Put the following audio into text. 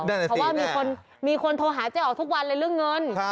เพราะว่ามีคนโทรหาเจ๊อ๋อทุกวันเลยเรื่องเงิน